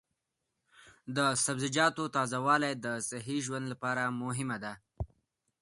د سبزیجاتو تازه والي د صحي ژوند لپاره مهمه ده.